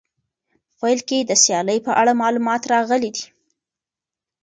په پیل کې د سیالۍ په اړه معلومات راغلي دي.